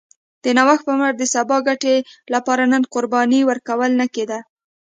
د نوښت پر مټ د سبا ګټې لپاره نن قرباني ورکول نه کېده